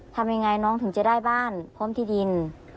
ทำยังไงน้องถึงจะได้บ้านพร้อมที่ดิน